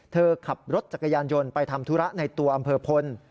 ขับรถจักรยานยนต์ไปทำธุระในตัวอำเภอพล